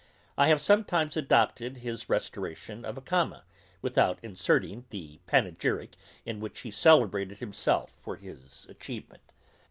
I have sometimes adopted his restoration of a comma, without inserting the panegyrick in which he celebrated himself for his atchievement.